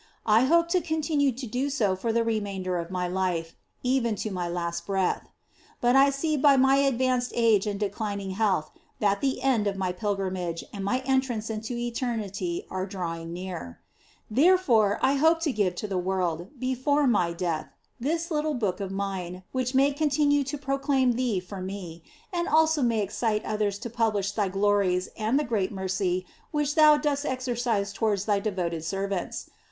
I hope to continue to do so for the remainder of my life, even to my last breath. But I see by my ad vanced age and declining health that the end of my pilgrimage and my entrance into eternity are drawing near ; therefore, I hope to give to the world, before my death, this little book of mine which may continue to proclaim thee for me, and also may excite others to publish thy glories and the great mercy which thou dost exer cise towards thy devoted servants.